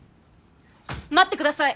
待ってください。